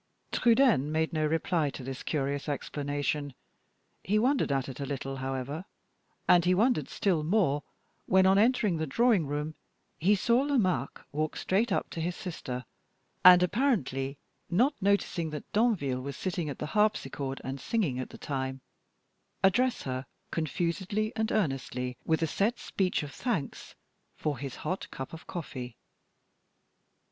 Trudaine made no reply to this curious explanation. He wondered at it a little, however, and he wondered still more when, on entering the drawing room, he saw Lomaque walk straight up to his sister, and apparently not noticing that Danville was sitting at the harpsichord and singing at the time address her confusedly and earnestly with a set speech of thanks for his hot cup of coffee.